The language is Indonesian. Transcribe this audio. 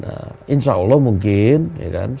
nah insya allah mungkin setelah ini